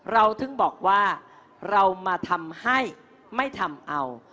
เราถึงบอกว่าเรามาทำให้ไม่ทำเอา